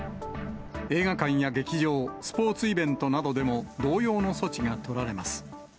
映画館や劇場、スポーツイベントなどでも、同様の措置が取られます。